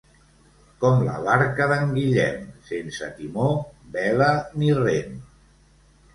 Com la barca d'en Guillem, sense timó, vela ni rem.